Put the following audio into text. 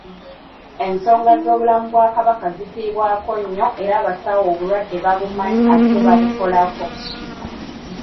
Ensonga z'obulamu bwa Kabaka zifiibwako nnyo era abasawo obulwadde babumanyi ate babukolako.